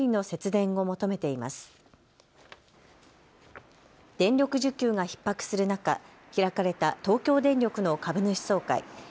電力需給がひっ迫する中、開かれた東京電力の株主総会。